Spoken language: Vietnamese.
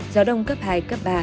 gió đông cấp hai cấp ba